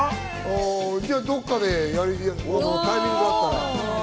じゃあどこかでタイミングがあったら。